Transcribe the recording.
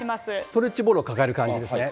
ストレッチボールを抱える感じですね。